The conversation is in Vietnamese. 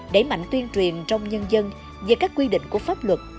đẩy mạnh tuyên truyền trong nhân dân về các quy định của pháp luật